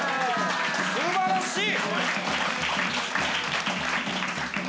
素晴らしい！